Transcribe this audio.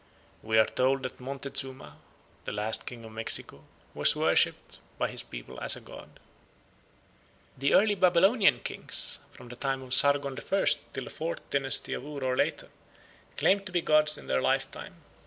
We are told that Montezuma, the last king of Mexico, was worshipped by his people as a god. The early Babylonian kings, from the time of Sargon I. till the fourth dynasty of Ur or later, claimed to be gods in their lifetime.